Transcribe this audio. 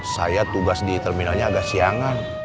saya tugas di terminalnya agak siangan